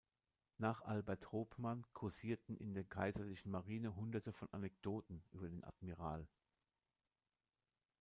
Nach Albert Hopman kursierten in der Kaiserlichen Marine hunderte von Anekdoten über den Admiral.